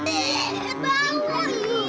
eh apa yang terlalu